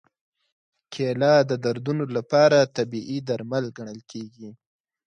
کېله د دردونو لپاره طبیعي درمل ګڼل کېږي.